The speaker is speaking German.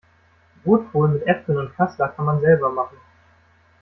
Rotkohl mit Äpfeln und Kassler kann man selber machen.